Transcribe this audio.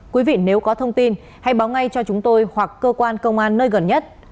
quý vị nếu có thông tin hãy báo ngay cho chúng tôi hoặc cơ quan công an nơi gần nhất